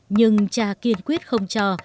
nhưng cha kiên quyết không cho